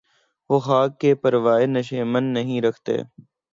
وہ خاک کہ پروائے نشیمن نہیں رکھتی